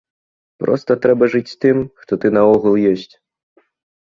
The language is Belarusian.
Проста трэба жыць тым, хто ты наогул ёсць.